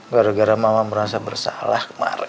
gara gara mama merasa bersalah kemarin